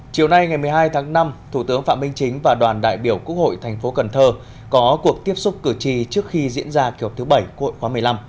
chiều nay ngày một mươi hai tháng năm thủ tướng phạm minh chính và đoàn đại biểu quốc hội tp cần thơ có cuộc tiếp xúc cử tri trước khi diễn ra kiểu thứ bảy cuộn khóa một mươi năm